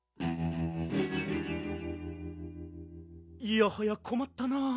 いやはやこまったな。